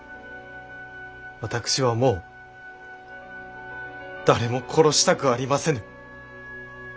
私はもう誰も殺したくありませぬ。